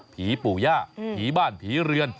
ผีปู่ย่าผีบ้านผีเรือน